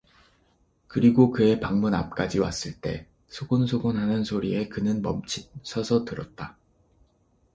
그리고 그의 방문 앞까지 왔을 때 소곤소곤 하는 소리에 그는 멈칫 서서 들었다.